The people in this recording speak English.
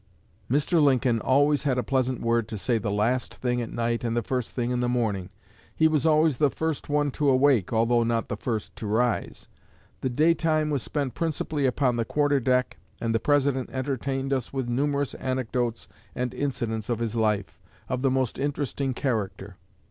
... Mr. Lincoln always had a pleasant word to say the last thing at night and the first thing in the morning. He was always the first one to awake, although not the first to rise. The day time was spent principally upon the quarter deck, and the President entertained us with numerous anecdotes and incidents of his life, of the most interesting character.